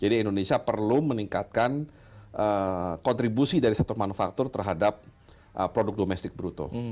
indonesia perlu meningkatkan kontribusi dari sektor manufaktur terhadap produk domestik bruto